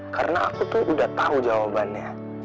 karena aku tuh udah tau jawabannya